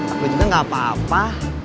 aku juga gak apa apa